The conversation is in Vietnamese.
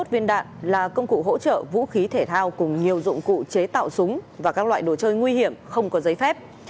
bảy trăm ba mươi một viên đạn là công cụ hỗ trợ vũ khí thể thao cùng nhiều dụng cụ chế tạo súng và các loại đồ chơi nguy hiểm không có giấy phép